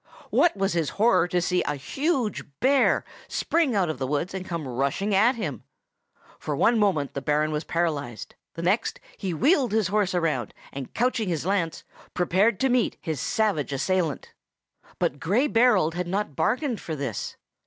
What was his horror to see a huge bear spring out of the woods and come rushing towards him! For one moment the Baron was paralyzed; the next, he wheeled his horse round, and couching his lance, prepared to meet his savage assailant. "The bear caught the charger by the tail." But Gray Berold had not bargained for this.